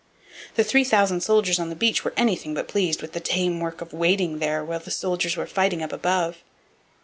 The 3,000 sailors on the beach were anything but pleased with the tame work of waiting there while the soldiers were fighting up above.